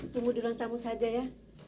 tunggu duluan tamu saja ya